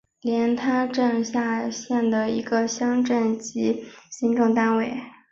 连滩镇是下辖的一个乡镇级行政单位。